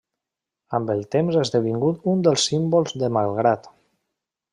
Amb el temps ha esdevingut uns dels símbols de Malgrat.